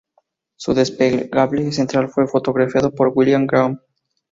Su desplegable central fue fotografiado por William Graham.